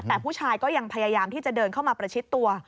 แต่ผู้ชายก็ยังพยายามที่จะเดินเข้ามาประชิดตัว